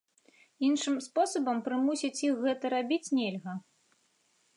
Іншым спосабам прымусіць іх гэта рабіць нельга.